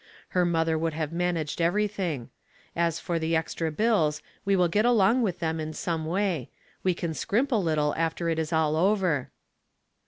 Her mother would have managed everything. As for the extra bills, we will get along with them in some way. We can scrimp a little, after it is all over."